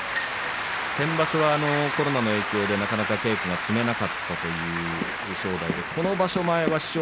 先場所はコロナの影響でなかなか稽古は、積めなかったという印象がありました。